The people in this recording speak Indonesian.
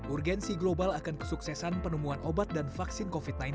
urgensi global akan kesuksesan penemuan obat dan vaksin covid sembilan belas